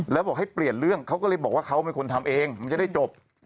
แล้วบอกให้เปลี่ยนเรื่องเขาก็เลยบอกว่าเขาเป็นคนทำเองมันจะได้จบ